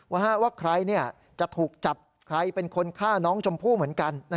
ว่าใครจะถูกจับใครเป็นคนฆ่าน้องชมพู่เหมือนกัน